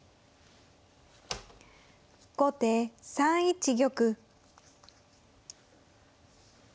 後手３一玉。